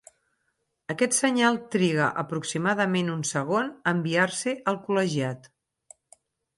Aquest senyal triga aproximadament un segon a enviar-se al col·legiat.